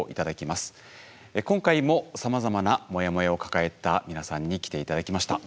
今回もさまざまなモヤモヤを抱えた皆さんに来て頂きました。